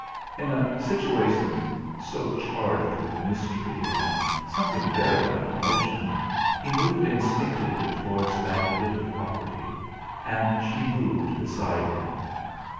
In a situation so charged with mystery and something very like emotion he moved instinctively towards that bit of property, and she moved beside him.